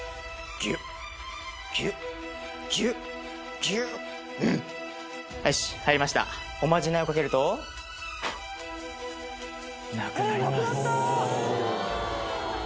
ギュッギュッギュッギュッうん入りましたおまじないをかけるとなくなります